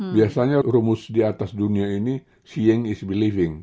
biasanya rumus di atas dunia ini seeing is believing